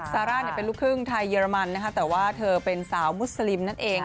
ซาร่าเป็นลูกครึ่งไทยเยอรมันนะคะแต่ว่าเธอเป็นสาวมุสลิมนั่นเอง